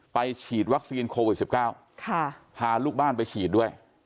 ไปฉีดวัคซีนโควิดสิบเก้าค่ะพาลูกบ้านไปฉีดด้วย